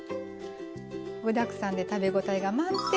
具だくさんで食べ応えが満点。